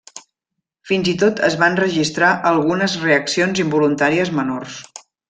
Fins i tot es van registrar algunes reaccions involuntàries menors.